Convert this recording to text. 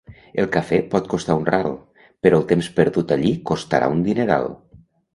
El cafè pot costar un ral, però el temps perdut allí costarà un dineral.